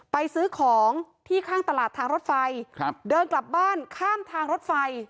ซื้อของที่ข้างตลาดทางรถไฟครับเดินกลับบ้านข้ามทางรถไฟ